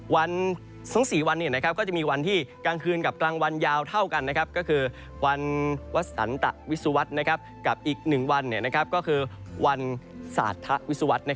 ทั้ง๔วันก็จะมีวันที่กลางคืนกับกลางวันยาวเท่ากันก็คือวันวัดสันตวิสุวรรษกับอีก๑วันก็คือวันสาธวิสุวรรษ